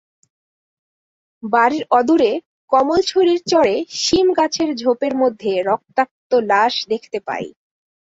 বাড়ির অদূরে কমলছড়ির চরে শিমগাছের ঝোপের মধ্যে রক্তাক্ত লাশ দেখতে পাই।